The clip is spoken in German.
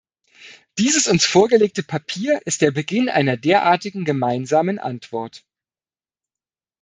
Dieses uns vorgelegte Papier ist der Beginn einer derartigen gemeinsamen Antwort.